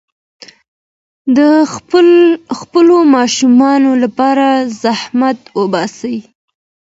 د خپلو ماشومانو لپاره زحمت وباسئ.